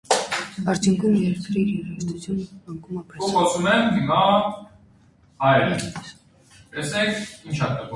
Արդյունքում երկրի երաժշտարվեստը անկում ապրեց։